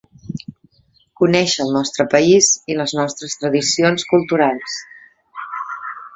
Com és i què vol el turista cultural?